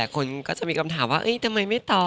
คนก็จะมีคำถามว่าทำไมไม่ตอบ